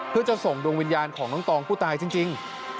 เพื่อจะส่งดวงวิญญาณของน้องตองผู้ตายจริง